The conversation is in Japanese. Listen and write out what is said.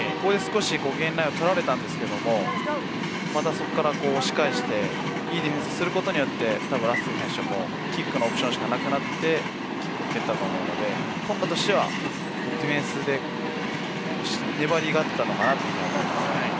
ゲインラインを取られたんですけれども、そこから押し返していいディフェンスをすることによって、キックのオプションしかなくなって、キックを蹴ったと思うので、トンガとしてはディフェンスで粘り勝ったのかなと思いますね。